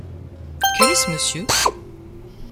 Quel est ce monsieur ?